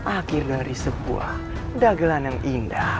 akhir dari sebuah dagelan yang indah